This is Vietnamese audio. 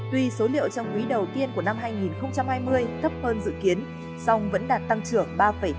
tuy số liệu trong quý đầu tiên của năm hai nghìn hai mươi thấp hơn dự kiến song vẫn đạt tăng trưởng ba tám